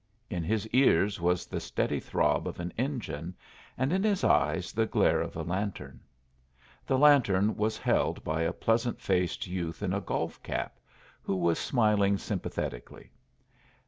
In his ears was the steady throb of an engine, and in his eyes the glare of a lantern. The lantern was held by a pleasant faced youth in a golf cap who was smiling sympathetically.